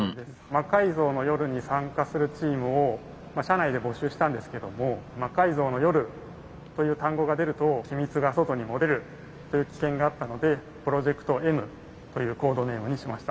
「魔改造の夜」に参加するチームを社内で募集したんですけども「魔改造の夜」という単語が出ると機密が外に漏れるという危険があったので「プロジェクトＭ」というコードネームにしました。